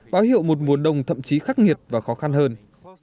báo hiệu một mùa đông thậm chí khắc nghiệt và khó khăn hơn